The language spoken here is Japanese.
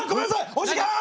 お時間！